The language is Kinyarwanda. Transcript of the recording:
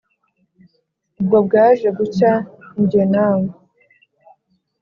ubwo bwaje gucya njye nawe